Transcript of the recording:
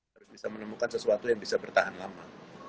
harus bisa menemukan sesuatu yang bisa bertahan lama